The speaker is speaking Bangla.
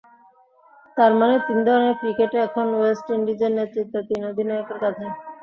তার মানে, তিন ধরনের ক্রিকেটে এখন ওয়েস্ট ইন্ডিজের নেতৃত্ব তিন অধিনায়কের কাঁধে।